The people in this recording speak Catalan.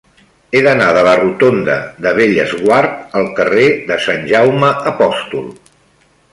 He d'anar de la rotonda de Bellesguard al carrer de Sant Jaume Apòstol.